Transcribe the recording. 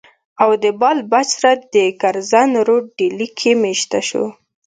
او د بال بچ سره پۀ کرزن روډ ډيلي کښې ميشته شو